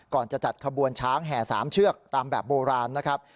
ก่อนจะจัดขบวนช้างแห่๓เชือกตามแบบโบราณนะครับ